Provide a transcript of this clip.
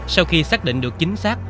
sau khi xác định được chính xác